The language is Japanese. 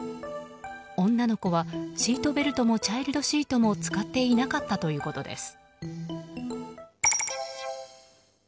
女の子はシートベルトもチャイルドシートも使っていなかったということです。